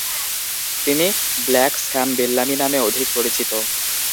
তিনি Black Sam Bellamy নামে অধিক পরিচিত।